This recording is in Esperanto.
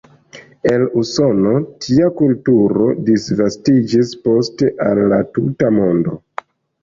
El Usono, tia kulturo disvastiĝis poste al la tuta mondo.